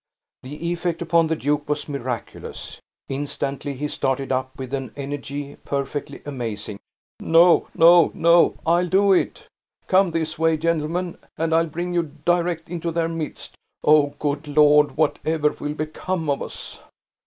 The effect upon the duke was miraculous. Instantly he started up, with an energy perfectly amazing: "No, no, no! I'll do it! Come this way, gentlemen, and I'll bring you direct into their midst. O good Lord! whatever will become of us?"